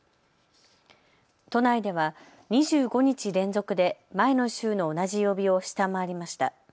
都内では２５日連続で前の週の同じ曜日を下回りました。